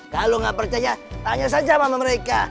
kalau nggak percaya tanya saja sama mereka